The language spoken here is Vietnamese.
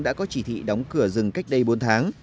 đã có chỉ thị đóng cửa rừng cách đây bốn tháng